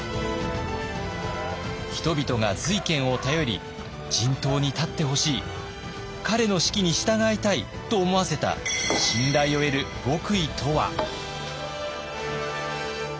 人々が瑞賢を頼り陣頭に立ってほしい彼の指揮に従いたいと思わせた信頼を得る極意とは。